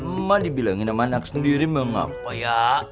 emak dibilangin sama anak sendiri emak ngapa ya